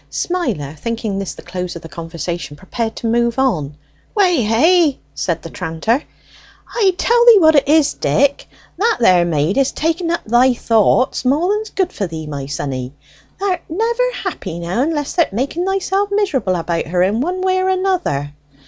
Smiler, thinking this the close of the conversation, prepared to move on. "Weh hey!" said the tranter. "I tell thee what it is, Dick. That there maid is taking up thy thoughts more than's good for thee, my sonny. Thou'rt never happy now unless th'rt making thyself miserable about her in one way or another."